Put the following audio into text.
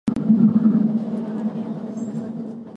約束の時間になってもその人は来ることがなかった。